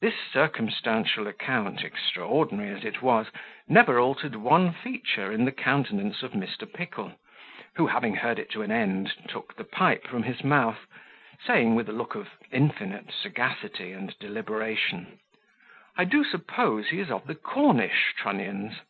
This circumstantial account, extraordinary as it was, never altered one feature in the countenance of Mr. Pickle, who, having heard it to an end, took the pipe from his mouth, saying, with a look of infinite sagacity and deliberation, "I do suppose he is of the Cornish Trunnions.